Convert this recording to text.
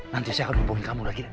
nanti saya akan hubungin kamu lagi